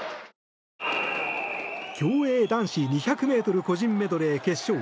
競泳男子２００ｍ個人メドレー決勝。